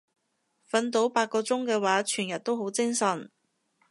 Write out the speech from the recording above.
瞓到八個鐘嘅話全日都好精神